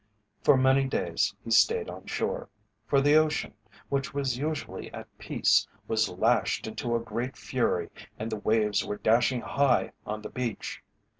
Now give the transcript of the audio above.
For many days he stayed on shore, for the ocean, which was usually at peace, was lashed into a great fury and the waves were dashing high on the beach.